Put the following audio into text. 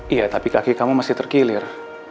iya tapi kaki kamu masih tergilir